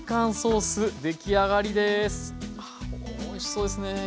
おいしそうですね。